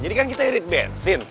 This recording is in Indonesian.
jadi kan kita irit bensin